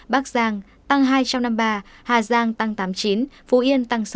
bắc giang tăng hai trăm năm mươi ba hà giang tăng tám mươi chín phú yên tăng sáu